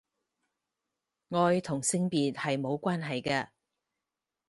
愛同性別係無關係㗎